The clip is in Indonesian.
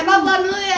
reva pulang dulu ya